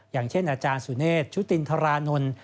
อย่างเช่นอาจารย์สุเนธชุตินทรานนท์